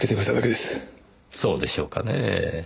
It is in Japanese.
そうでしょうかねぇ？